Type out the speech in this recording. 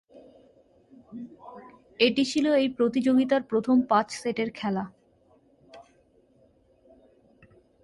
এটি ছিল এই প্রতিযোগিতার প্রথম পাঁচ সেটের খেলা।